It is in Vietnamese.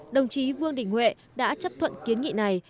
đồng chí vương đình huệ đã chấp thuận kiến nghị này